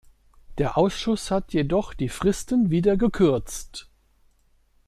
Der Ausschuss hat jedoch die Fristen wieder gekürzt.